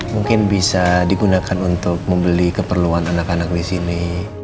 mungkin bisa digunakan untuk membeli keperluan anak anak disini